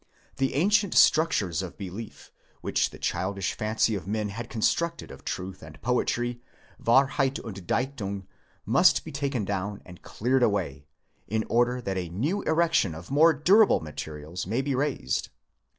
The ancient struc tures of belief, which the childish fancy of men had constructed of truth and poetry, Wahrheit und Dichtung, must be taken down and cleared away, in order that a new erection of more durable materials may be raised.